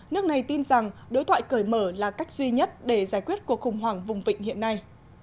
nước này tin rằng đối thoại cởi mở là cách duy nhất để giải quyết cuộc khủng hoảng vùng vịnh hiện nay